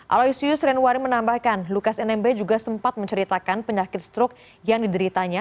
aloysius renwari menambahkan lukas nmb juga sempat menceritakan penyakit stroke yang dideritanya